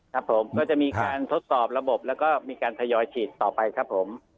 ครับผมก็จะมีการทดสอบระบบแล้วก็มีการทยอยฉีดต่อไปครับผม